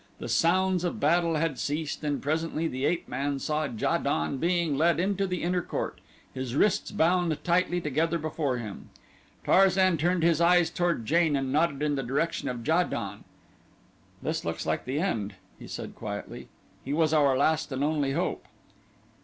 The sounds of battle had ceased and presently the ape man saw Ja don being led into the inner court, his wrists bound tightly together before him. Tarzan turned his eyes toward Jane and nodded in the direction of Ja don. "This looks like the end," he said quietly. "He was our last and only hope."